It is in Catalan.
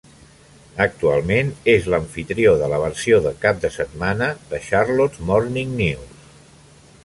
Actualment és l'amfitrió de la versió de cap de setmana de "Charlotte's Morning News".